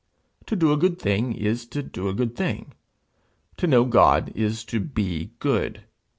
To do a good thing is to do a good thing; to know God is to be good.